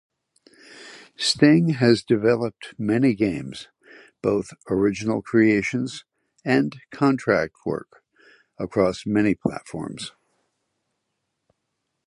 Sting has developed many games, both original creations and contract work, across many platforms.